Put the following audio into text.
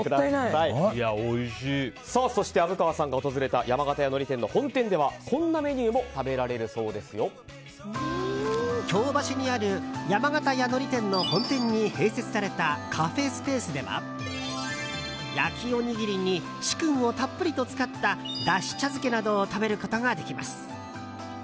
そして、虻川さんが訪れた山形屋海苔店の本店ではこんなメニューも京橋にある山形屋海苔店の本店に併設されたカフェスペースでは焼きおにぎりに紫薫をたっぷりと使っただし茶漬けなどを食べることができます。